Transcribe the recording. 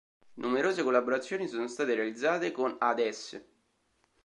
Numerose collaborazioni sono state realizzate con ad es.